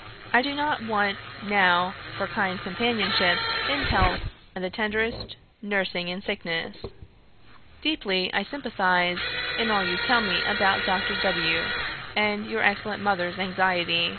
I do not want now for kind companionship in health and the tenderest nursing in sickness. Deeply I sympathise in all you tell me about Dr. W. and your excellent mother's anxiety.